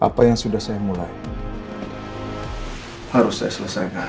apa yang sudah saya mulai harus saya selesaikan